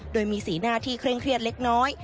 โดยมีสีหน้าที่เคร่งเครียดเล็กน้อย